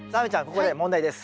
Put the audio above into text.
ここで問題です。